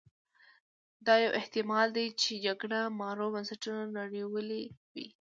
دا یو احتما ل دی چې جګړه مارو بنسټونه نړولي وي.